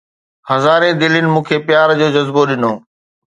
هزارين دلين مون کي پيار جو جذبو ڏنو